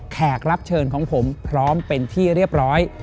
แขกรับเชิญของผมพร้อมเป็นที่เรียบร้อย